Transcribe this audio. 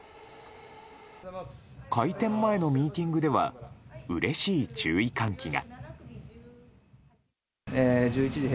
開店前のミーティングではうれしい注意喚起が。